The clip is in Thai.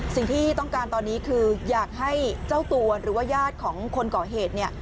สิ่งที่ต้องการตอนนี้คืออยากให้เจ้าตัวหรือว่าญาติของคนก่อเหตุเนี่ย